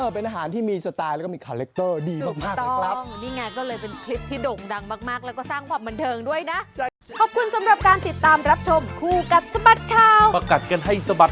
เป็นอาหารที่มีสไตล์แล้วก็มีคาแรคเตอร์ดีมากนะครับ